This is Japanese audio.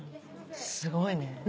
すごいね。